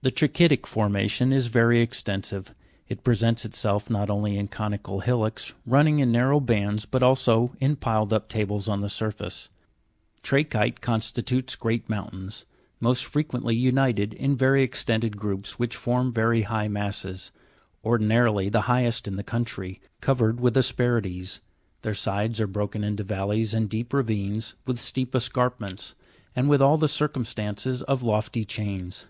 The Tra'chytic formation is very extensive. It presents itself not only in conical hillocks, running in narrow bands, but also in pi led up tables on the surface; tra'chyte constitutes great mountains, most frequently united in very extended groups, which form very high masses, ordinarily the highest in the country, covered with asperities ; their sides are broken into valleys and deep ravines, with steep escarpments, and with all the circum stances of lofty chains.